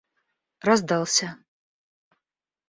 раздался